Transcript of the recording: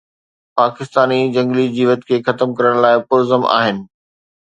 پاڪستاني جهنگلي جيوت کي ختم ڪرڻ لاءِ پرعزم آهن